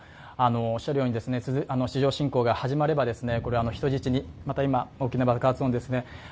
おっしゃるように地上侵攻が始まれば人質にまた今、大きな爆発音ですね。